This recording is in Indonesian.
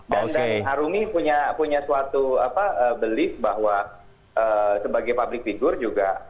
dan arumi punya suatu belief bahwa sebagai public figure juga